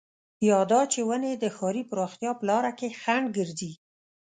يا دا چې ونې د ښاري پراختيا په لاره کې خنډ ګرځي.